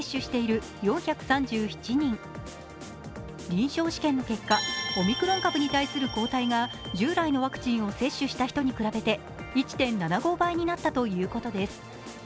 臨床試験の結果、オミクロン株に対する抗体が従来のワクチンを接種した人に比べて１．７５倍になったということです。